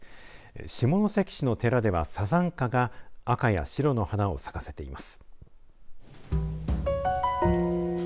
下関市の寺では、さざんかが赤や白の花を咲かせています。